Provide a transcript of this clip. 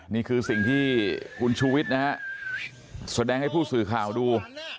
นี่คือสิ่งที่คุณชูวิทย์นะฮะแสดงให้ผู้สื่อข่าวดู